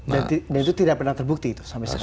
dan itu tidak pernah terbukti itu sampai sekarang